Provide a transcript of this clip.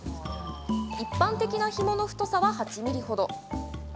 一般的なひもの太さは８ｍｍ程。